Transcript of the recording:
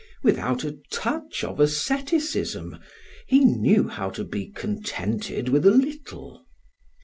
Without a touch of asceticism, he knew how to be contented with a little.